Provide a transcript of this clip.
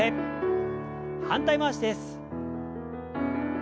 反対回しです。